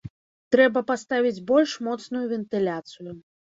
Трэба паставіць больш моцную вентыляцыю.